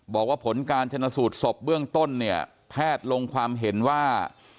บอกว่าผลการชนะสูตรศพเบื้องต้นเนี่ยแพทย์ลงความเห็นว่า